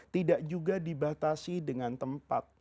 tidak juga dibatasi dengan tempat